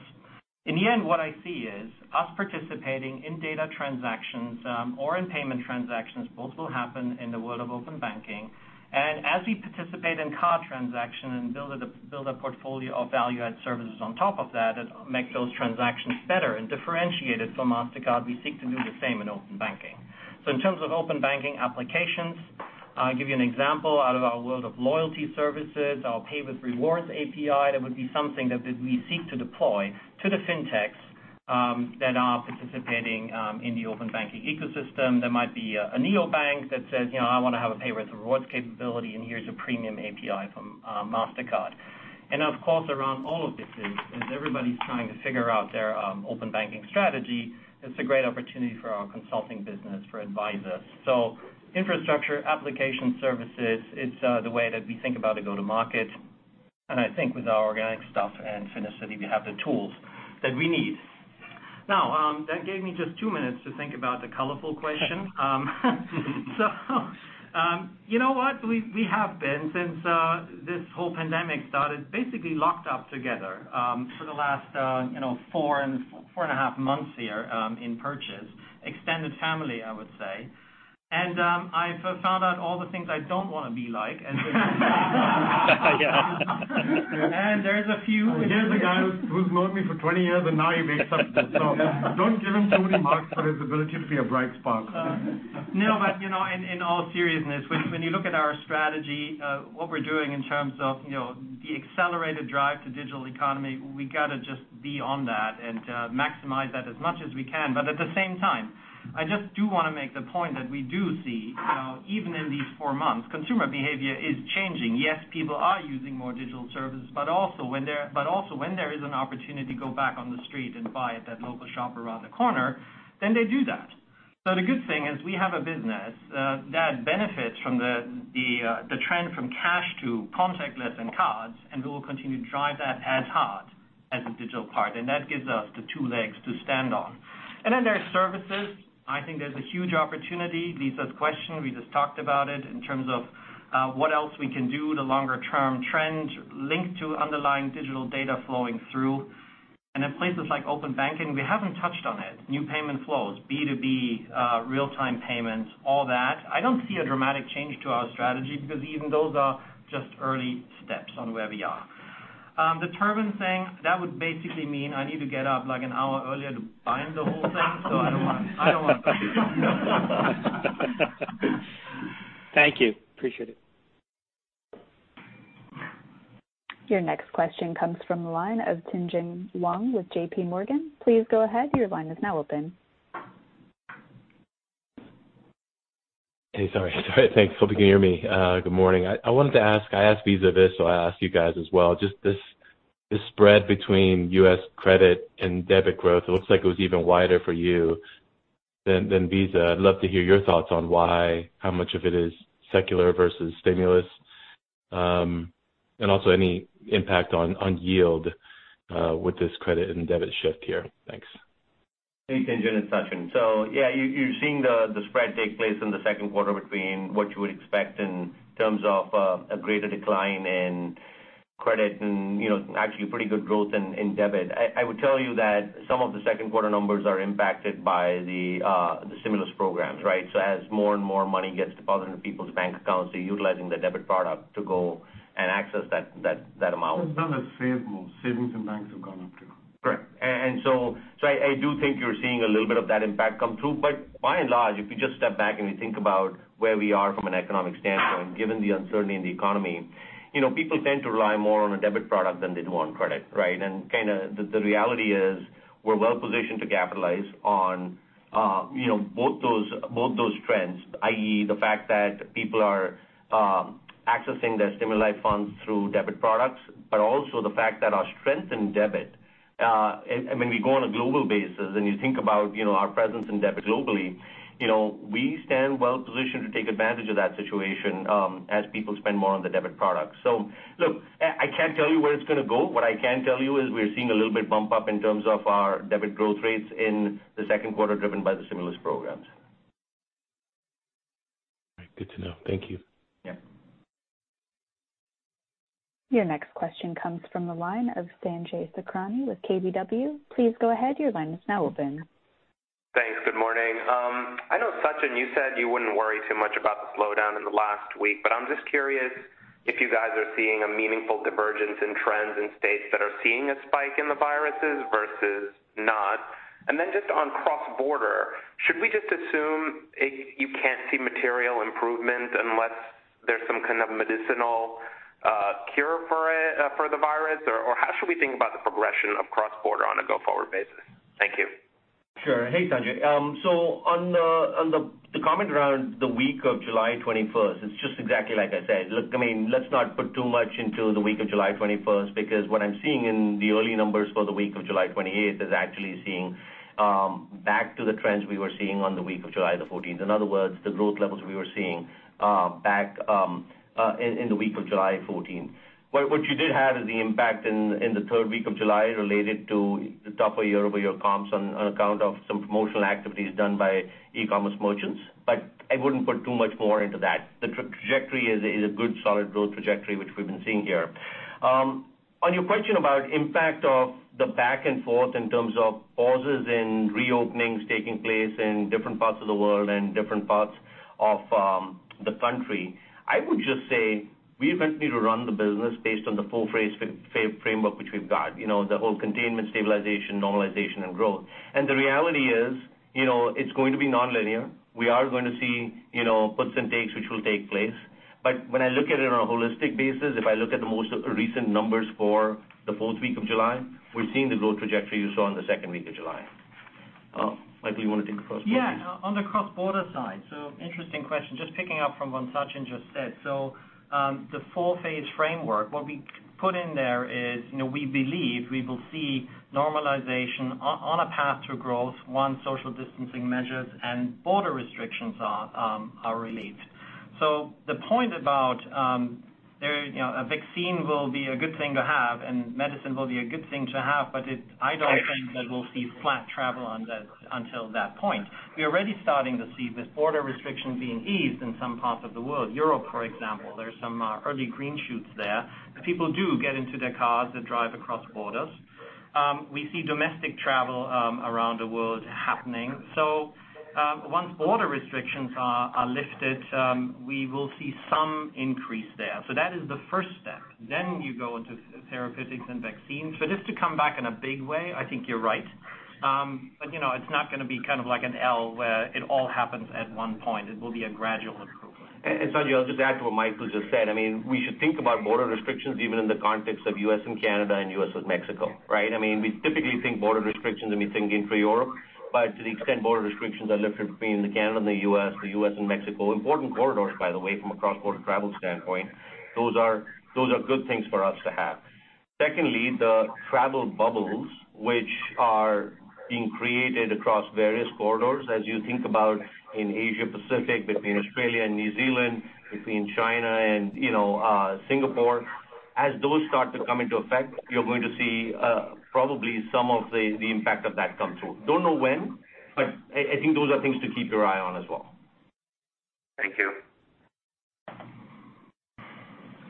What I see is us participating in data transactions or in payment transactions, both will happen in the world of open banking. As we participate in card transaction and build a portfolio of value-add services on top of that make those transactions better and differentiate it from Mastercard, we seek to do the same in open banking. In terms of open banking applications, I'll give you an example out of our world of loyalty services, our Pay with Rewards API, that would be something that we seek to deploy to the fintechs that are participating in the open banking ecosystem. There might be a neobank that says, "I want to have a Pay with Rewards capability, and here's a premium API from Mastercard." Of course, around all of this is everybody's trying to figure out their open banking strategy. It's a great opportunity for our consulting business for advisors. Infrastructure, application services, it's the way that we think about a go-to-market. I think with our organic stuff and Finicity, we have the tools that we need. Now, that gave me just two minutes to think about the colorful question. You know what? We have been, since this whole pandemic started, basically locked up together for the last four and a half months here in Purchase, extended family, I would say. I found out all the things I don't want to be like. Yeah. there's a few. Here's a guy who's known me for 20 years, now he makes up stuff. Don't give him too many marks for his ability to be a bright spark. In all seriousness, when you look at our strategy, what we're doing in terms of the accelerated drive to digital economy, we got to just be on that and maximize that as much as we can. At the same time, I just do want to make the point that we do see how even in these four months, consumer behavior is changing. Yes, people are using more digital services, but also when there is an opportunity to go back on the street and buy at that local shop around the corner, then they do that. The good thing is we have a business that benefits from the trend from cash to contactless and cards, and we will continue to drive that as hard. As a digital part, and that gives us the two legs to stand on. Then there's services. I think there's a huge opportunity. Lisa's question, we just talked about it in terms of what else we can do, the longer-term trend linked to underlying digital data flowing through. In places like open banking, we haven't touched on it. New payment flows, B2B real-time payments, all that. I don't see a dramatic change to our strategy because even those are just early steps on where we are. The Durbin thing, that would basically mean I need to get up an hour earlier to bind the whole thing. I don't want to. Thank you. Appreciate it. Your next question comes from the line of Tien-tsin Huang with J.P. Morgan. Please go ahead. Your line is now open. Hey, sorry. Thanks. Hope you can hear me. Good morning. I wanted to ask, I asked Visa this, so I'll ask you guys as well, just this spread between U.S. credit and debit growth, it looks like it was even wider for you than Visa. I'd love to hear your thoughts on why, how much of it is secular versus stimulus. Also any impact on yield with this credit and debit shift here. Thanks. Hey, Tien-tsin, it's Sachin. Yeah, you're seeing the spread take place in the second quarter between what you would expect in terms of a greater decline in credit and actually pretty good growth in debit. I would tell you that some of the second-quarter numbers are impacted by the stimulus programs, right? As more and more money gets deposited into people's bank accounts, they're utilizing the debit product to go and access that amount. It's also a save mode. Savings and banks have gone up too. Correct. I do think you're seeing a little bit of that impact come through, but by and large, if you just step back and you think about where we are from an economic standpoint, given the uncertainty in the economy, people tend to rely more on a debit product than they do on credit, right? The reality is we're well-positioned to capitalize on both those trends, i.e., the fact that people are accessing their stimuli funds through debit products, but also the fact that our strength in debit, and when we go on a global basis and you think about our presence in debit globally, we stand well-positioned to take advantage of that situation as people spend more on the debit product. Look, I can't tell you where it's going to go. What I can tell you is we're seeing a little bit of a bump up in terms of our debit growth rates in the second quarter driven by the stimulus programs. All right. Good to know. Thank you. Yeah. Your next question comes from the line of Sanjay Sakhrani with KBW. Please go ahead. Your line is now open. Thanks. Good morning. I know, Sachin, you said you wouldn't worry too much about the slowdown in the last week. I'm just curious if you guys are seeing a meaningful divergence in trends in states that are seeing a spike in the viruses versus not. Just on cross-border, should we just assume you can't see material improvement unless there's some kind of medicinal cure for it, for the virus? How should we think about the progression of cross-border on a go-forward basis? Thank you. Sure. Hey, Sanjay. On the comment around the week of July 21st, it's just exactly like I said. Let's not put too much into the week of July 21st because what I'm seeing in the early numbers for the week of July 28th is actually seeing back to the trends we were seeing on the week of July the 14th. In other words, the growth levels we were seeing back in the week of July 14th. What you did have is the impact in the third week of July related to the tougher year-over-year comps on account of some promotional activities done by e-commerce merchants. I wouldn't put too much more into that. The trajectory is a good, solid growth trajectory, which we've been seeing here. On your question about impact of the back and forth in terms of pauses and reopenings taking place in different parts of the world and different parts of the country, I would just say we eventually need to run the business based on the 4-phase framework which we've got. The whole containment, stabilization, normalization, and growth. The reality is, it's going to be nonlinear. We are going to see puts and takes which will take place. When I look at it on a holistic basis, if I look at the most recent numbers for the 4th week of July, we're seeing the growth trajectory you saw in the 2nd week of July. Michael, you want to take the first piece? On the cross-border side, interesting question, just picking up from what Sachin just said. The four-phase framework, what we put in there is we believe we will see normalization on a path to growth once social distancing measures and border restrictions are relieved. The point about a vaccine will be a good thing to have and medicine will be a good thing to have, but I don't think that we'll see flat travel on that until that point. We're already starting to see the border restrictions being eased in some parts of the world. Europe, for example. There's some early green shoots there. People do get into their cars and drive across borders. We see domestic travel around the world happening. Once border restrictions are lifted, we will see some increase there. That is the first step. You go into therapeutics and vaccines. For this to come back in a big way, I think you're right. It's not going to be like an L where it all happens at one point. It will be a gradual improvement. Sanjay, I'll just add to what Michael just said. We should think about border restrictions even in the context of U.S. and Canada and U.S. with Mexico, right? We typically think border restrictions and we think intra-Europe. To the extent border restrictions are lifted between Canada and the U.S., the U.S. and Mexico, important corridors, by the way, from a cross-border travel standpoint. Those are good things for us to have. Secondly, the travel bubbles, which are being created across various corridors as you think about in Asia-Pacific, between Australia and New Zealand, between China and Singapore As those start to come into effect, you're going to see probably some of the impact of that come through. Don't know when, but I think those are things to keep your eye on as well. Thank you.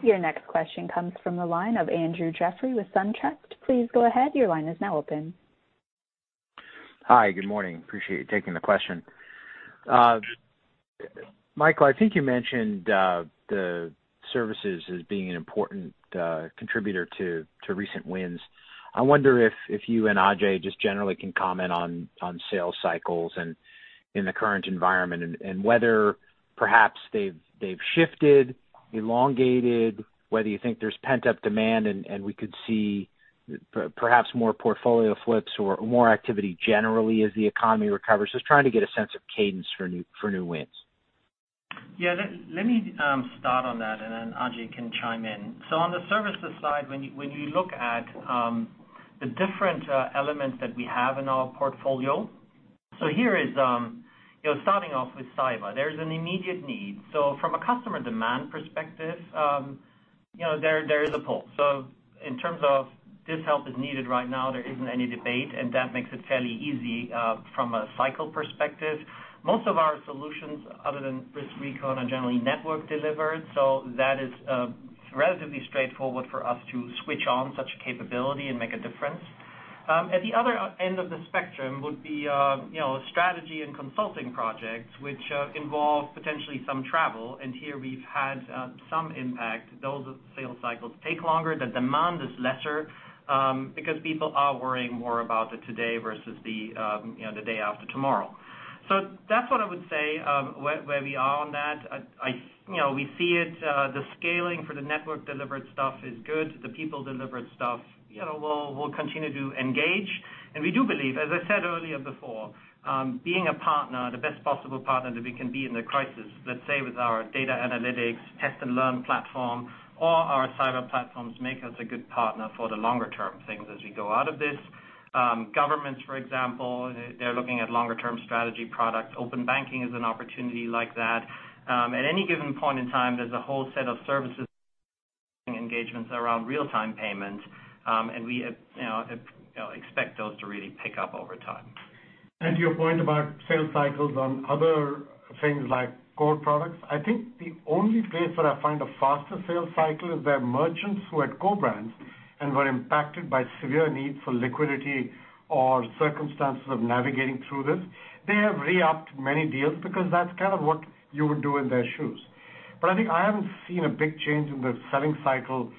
Your next question comes from the line of Andrew Jeffrey with SunTrust. Please go ahead. Your line is now open. Hi. Good morning. Appreciate you taking the question. Michael, I think you mentioned the services as being an important contributor to recent wins. I wonder if you and Ajay just generally can comment on sales cycles in the current environment and whether perhaps they've shifted, elongated, whether you think there's pent-up demand and we could see perhaps more portfolio flips or more activity generally as the economy recovers. Just trying to get a sense of cadence for new wins. Yeah. Let me start on that and then Ajay can chime in. On the services side, when you look at the different elements that we have in our portfolio, here is starting off with cyber. There's an immediate need. From a customer demand perspective, there is a pull. In terms of this help is needed right now, there isn't any debate, and that makes it fairly easy from a cycle perspective. Most of our solutions, other than RiskRecon, are generally network delivered, that is relatively straightforward for us to switch on such a capability and make a difference. At the other end of the spectrum would be strategy and consulting projects, which involve potentially some travel. Here we've had some impact. Those sales cycles take longer. The demand is lesser because people are worrying more about the today versus the day after tomorrow. That's what I would say where we are on that. We see it, the scaling for the network delivered stuff is good. The people delivered stuff, we'll continue to engage. We do believe, as I said earlier before, being a partner, the best possible partner that we can be in the crisis, let's say with our data analytics, Test & Learn platform, or our cyber platforms make us a good partner for the longer term things as we go out of this. Governments, for example, they're looking at longer term strategy products. Open banking is an opportunity like that. At any given point in time, there's a whole set of services, engagements around real-time payments. We expect those to really pick up over time. To your point about sales cycles on other things like core products, I think the only place where I find a faster sales cycle is where merchants who had co-brands and were impacted by severe need for liquidity or circumstances of navigating through this. They have re-upped many deals because that's kind of what you would do in their shoes. I think I haven't seen a big change in the selling cycle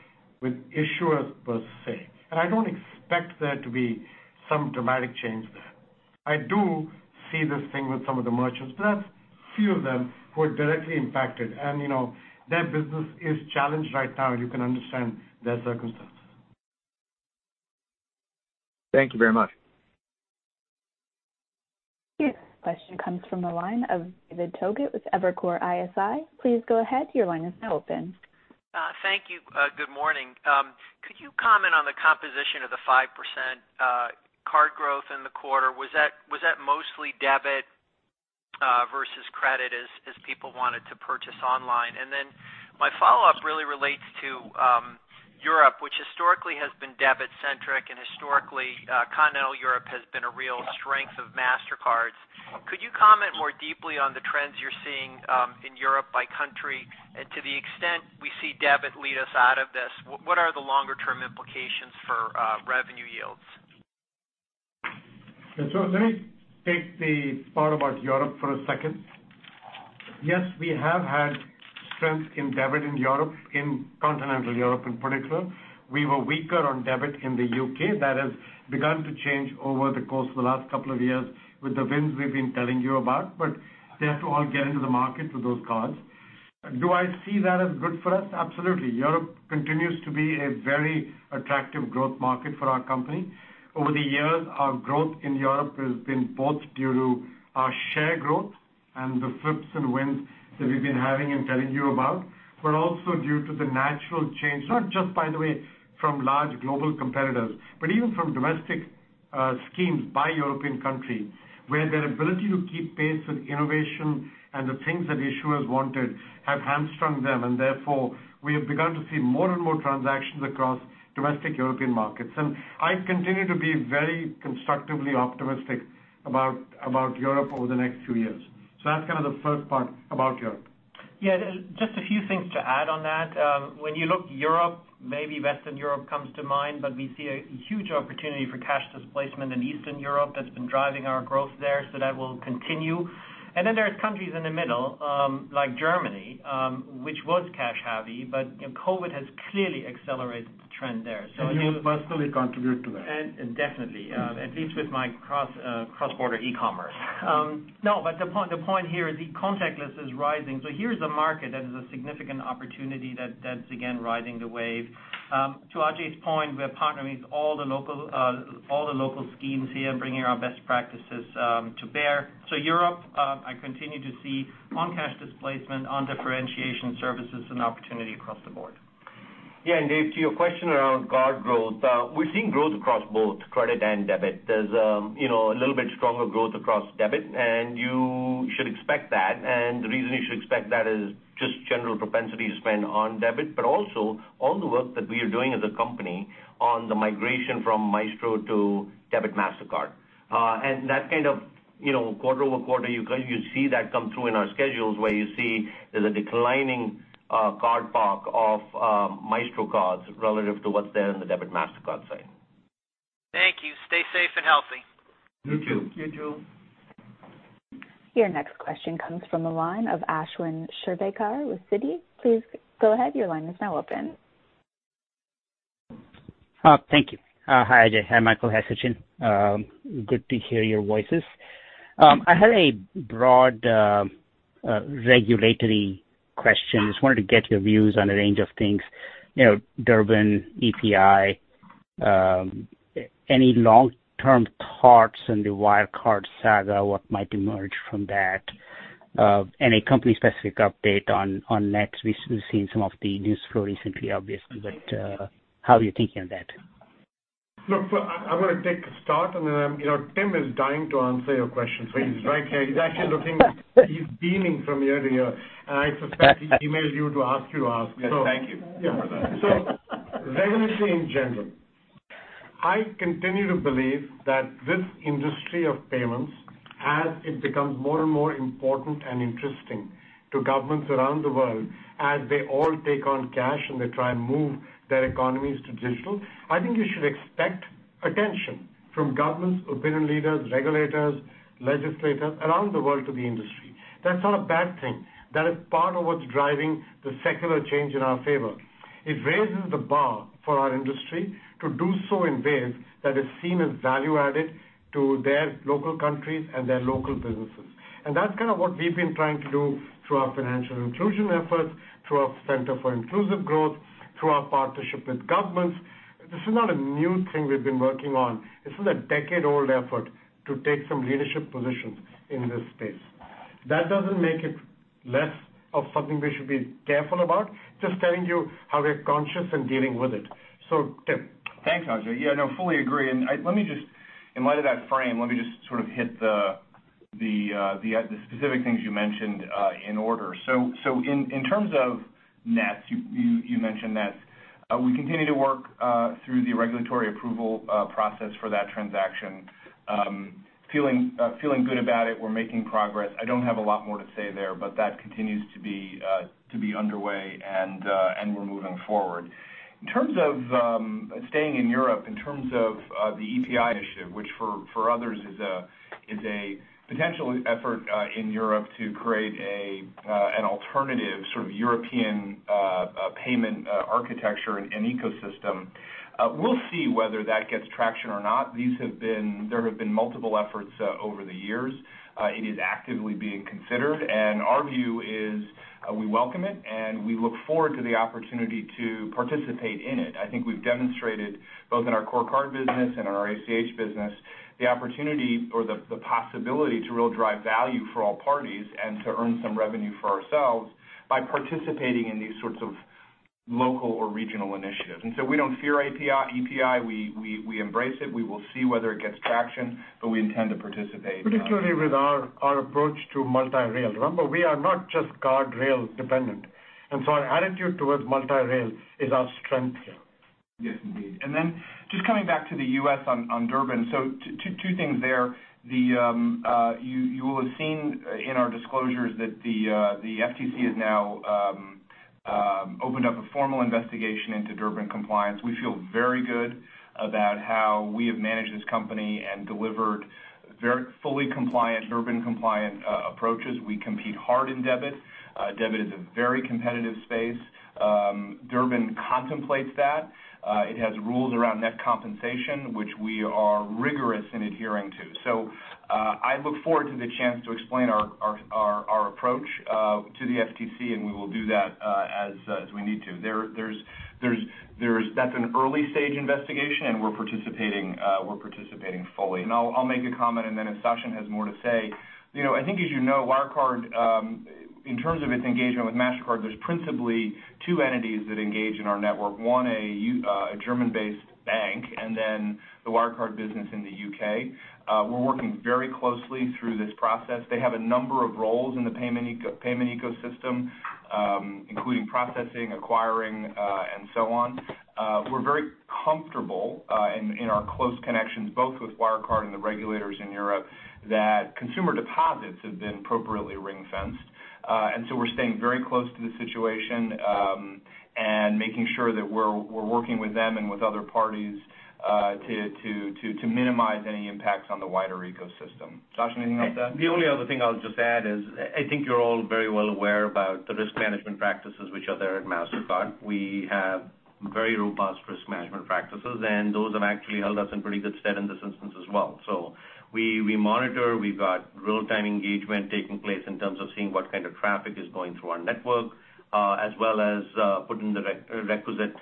with issuers per se. I don't expect there to be some dramatic change there. I do see this thing with some of the merchants, but that's few of them who are directly impacted. Their business is challenged right now. You can understand their circumstance. Thank you very much. Your question comes from the line of David Togut with Evercore ISI. Please go ahead. Your line is now open. Thank you. Good morning. Could you comment on the composition of the 5% card growth in the quarter? Was that mostly debit versus credit as people wanted to purchase online? My follow-up really relates to Europe, which historically has been debit centric and historically Continental Europe has been a real strength of Mastercard's. Could you comment more deeply on the trends you're seeing in Europe by country? To the extent we see debit lead us out of this, what are the longer term implications for revenue yields? Let me take the part about Europe for a second. Yes, we have had strength in debit in Europe, in continental Europe in particular. We were weaker on debit in the U.K. That has begun to change over the course of the last couple of years with the wins we've been telling you about. They have to all get into the market with those cards. Do I see that as good for us? Absolutely. Europe continues to be a very attractive growth market for our company. Over the years, our growth in Europe has been both due to our share growth and the flips and wins that we've been having and telling you about, but also due to the natural change, not just by the way from large global competitors, but even from domestic schemes by European country, where their ability to keep pace with innovation and the things that issuers wanted have hamstrung them. Therefore, we have begun to see more and more transactions across domestic European markets. I continue to be very constructively optimistic about Europe over the next few years. That's kind of the first part about Europe. Yeah. Just a few things to add on that. When you look Europe, maybe Western Europe comes to mind, but we see a huge opportunity for cash displacement in Eastern Europe that's been driving our growth there. That will continue. There's countries in the middle, like Germany, which was cash heavy, but COVID has clearly accelerated the trend there. You personally contribute to that. Definitely. At least with my cross-border e-commerce. The point here is the contactless is rising. Here's a market that is a significant opportunity that's again, riding the wave. To Ajay's point, we're partnering with all the local schemes here and bringing our best practices to bear. Europe, I continue to see on cash displacement, on differentiation services and opportunity across the board. Dave, to your question around core We're seeing growth across both credit and debit. There's a little bit stronger growth across debit. You should expect that. The reason you should expect that is just general propensity to spend on debit, but also all the work that we are doing as a company on the migration from Maestro to debit Mastercard. That kind of quarter-over-quarter, you see that come through in our schedules where you see there's a declining card park of Maestro cards relative to what's there in the debit Mastercard side. Thank you. Stay safe and healthy. You too. You too. Your next question comes from the line of Ashwin Shirvaikar with Citi. Please go ahead. Your line is now open. Thank you. Hi Ajay, hi Michael, hi Sachin. Good to hear your voices. I had a broad regulatory question. Just wanted to get your views on a range of things. Durbin, EPI, any long-term thoughts on the Wirecard saga, what might emerge from that? Any company specific update on Nets. We've seen some of the news flow recently, obviously, but how are you thinking on that? I'm going to take a start and then, Tim is dying to answer your question, so he's right here. He's actually looking, he's beaming from ear to ear. I suspect he emailed you to ask you to ask. Yes. Thank you for that. Regulatory in general, I continue to believe that this industry of payments, as it becomes more and more important and interesting to governments around the world as they all take on cash and they try and move their economies to digital, I think you should expect attention from governments, opinion leaders, regulators, legislators around the world to the industry. That's not a bad thing. That is part of what's driving the secular change in our favor. It raises the bar for our industry to do so in ways that is seen as value added to their local countries and their local businesses. That's kind of what we've been trying to do through our financial inclusion efforts, through our Center for Inclusive Growth, through our partnership with governments. This is not a new thing we've been working on. This is a decade-old effort to take some leadership positions in this space. That doesn't make it less of something we should be careful about, just telling you how we're conscious and dealing with it. Tim. Thanks, Ajay. Yeah, no, fully agree. In light of that frame, let me just sort of hit the specific things you mentioned in order. In terms of Nets, you mentioned Nets. We continue to work through the regulatory approval process for that transaction. Feeling good about it. We're making progress. I don't have a lot more to say there, but that continues to be underway and we're moving forward. In terms of staying in Europe, in terms of the EPI issue, which for others is a potential effort in Europe to create an alternative European payment architecture and ecosystem. We'll see whether that gets traction or not. There have been multiple efforts over the years. It is actively being considered, and our view is we welcome it, and we look forward to the opportunity to participate in it. I think we've demonstrated both in our core card business and in our ACH business, the opportunity or the possibility to really drive value for all parties and to earn some revenue for ourselves by participating in these sorts of local or regional initiatives. We don't fear EPI. We embrace it. We will see whether it gets traction, but we intend to participate. Particularly with our approach to multi-rail. Remember, we are not just card rail dependent, and so our attitude towards multi-rail is our strength here. Yes, indeed. Then just coming back to the U.S. on Durbin. Two things there. You will have seen in our disclosures that the FTC has now opened up a formal investigation into Durbin compliance. We feel very good about how we have managed this company and delivered fully Durbin compliant approaches. We compete hard in debit. Debit is a very competitive space. Durbin contemplates that. It has rules around net compensation, which we are rigorous in adhering to. I look forward to the chance to explain our approach to the FTC, and we will do that as we need to. That's an early-stage investigation and we're participating fully. I'll make a comment and then if Sachin has more to say. I think as you know, Wirecard, in terms of its engagement with Mastercard, there's principally two entities that engage in our network. One, a German-based bank, and then the Wirecard business in the U.K. We're working very closely through this process. They have a number of roles in the payment ecosystem, including processing, acquiring, and so on. We're very comfortable in our close connections, both with Wirecard and the regulators in Europe, that consumer deposits have been appropriately ring-fenced. We're staying very close to the situation, and making sure that we're working with them and with other parties to minimize any impacts on the wider ecosystem. Sachin, anything on that? The only other thing I'll just add is I think you're all very well aware about the risk management practices which are there at Mastercard. We have very robust risk management practices, and those have actually held us in pretty good stead in this instance as well. We monitor, we've got real-time engagement taking place in terms of seeing what kind of traffic is going through our network, as well as putting the requisite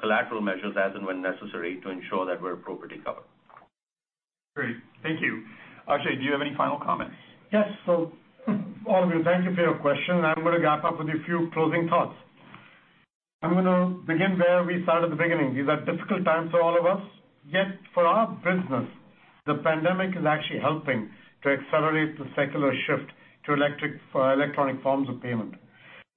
collateral measures as and when necessary to ensure that we're appropriately covered. Great. Thank you. Ajay, do you have any final comments? Yes. All of you, thank you for your questions. I'm going to wrap up with a few closing thoughts. I'm going to begin where we started at the beginning. These are difficult times for all of us. For our business, the pandemic is actually helping to accelerate the secular shift to electronic forms of payment.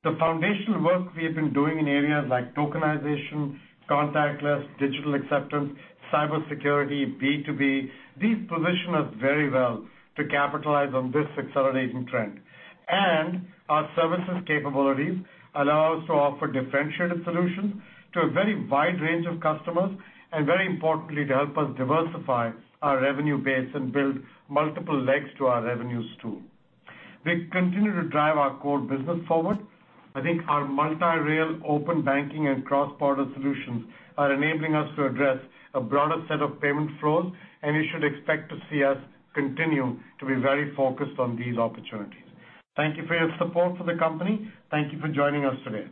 The foundational work we have been doing in areas like tokenization, contactless, digital acceptance, cybersecurity, B2B, these position us very well to capitalize on this accelerating trend. Our services capabilities allow us to offer differentiated solutions to a very wide range of customers, and very importantly, to help us diversify our revenue base and build multiple legs to our revenues too. We continue to drive our core business forward. I think our multi-rail open banking and cross-border solutions are enabling us to address a broader set of payment flows, and you should expect to see us continue to be very focused on these opportunities. Thank you for your support for the company. Thank you for joining us today.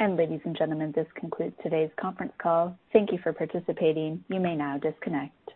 Ladies and gentlemen, this concludes today's conference call. Thank you for participating. You may now disconnect.